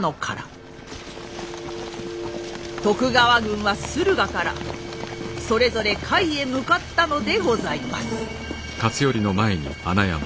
徳川軍は駿河からそれぞれ甲斐へ向かったのでございます。